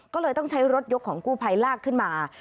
ก็เลยต้องใช้รถยกของกู้ภัยลากขึ้นมา